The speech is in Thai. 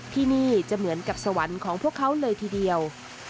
ที่นี่จะเหมือนกับสวรรค์ของพวกเขาเลยทีเดียว